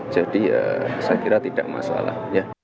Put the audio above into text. jadi ya saya kira tidak masalah